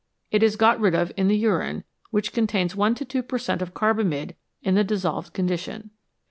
It is got rid of in the urine, which contains 1 to 2 per cent, of carbamide in the dissolved condition.